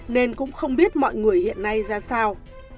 nên cũng không biết mọi người hiện nay ra sao